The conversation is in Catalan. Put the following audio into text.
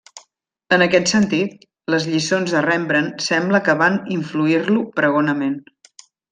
En aquest sentit, les lliçons de Rembrandt sembla que van influir-lo pregonament.